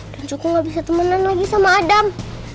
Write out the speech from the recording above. dan cukup gak bisa temenan lagi sama adam